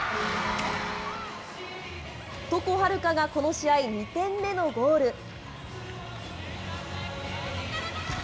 床秦留可がこの試合、２点目のゴール。